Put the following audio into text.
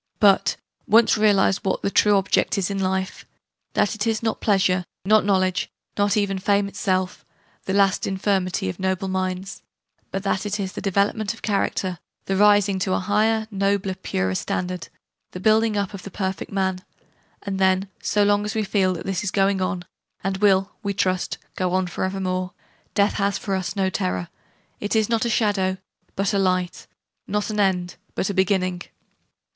But, once realise what the true object is in life that it is not pleasure, not knowledge, not even fame itself, 'that last infirmity of noble minds' but that it is the development of character, the rising to a higher, nobler, purer standard, the building up of the perfect Man and then, so long as we feel that this is going on, and will (we trust) go on for evermore, death has for us no terror; it is not a shadow, but a light; not an end, but a beginning!